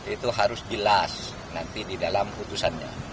itu harus jelas nanti di dalam putusannya